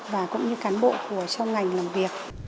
và cũng như cán bộ trong ngành làm việc